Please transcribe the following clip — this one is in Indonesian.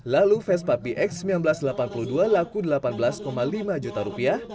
lalu vespa bx seribu sembilan ratus delapan puluh dua laku delapan belas lima juta rupiah